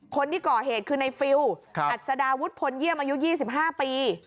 คนที่ก่อเหตุคือในฟิลอัศดาวุฒิพลเยี่ยมอายุ๒๕ปี